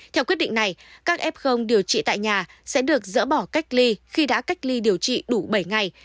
theo quyết định này các f điều trị tại nhà sẽ được dỡ bỏ cách ly khi đã cách ly điều trị đủ bảy ngày